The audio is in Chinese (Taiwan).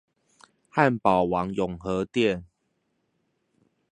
漢堡王永和店